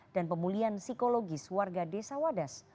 dan pemulihan psikologis warga desa wadas